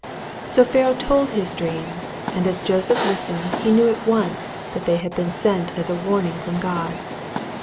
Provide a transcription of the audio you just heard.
So Pharaoh told his dreams, and as Joseph listened he knew at once that they had been sent as a warning from God.